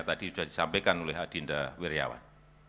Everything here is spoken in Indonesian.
tadi sudah disampaikan oleh adinda wirjawan